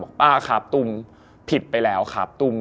บอกป้าครับตุ้มผิดไปแล้วครับ